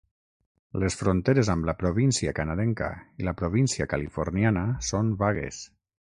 Les fronteres amb la província canadenca i la província californiana són vagues.